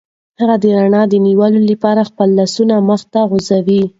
هغه د رڼا د نیولو لپاره خپل لاس مخې ته غځوي.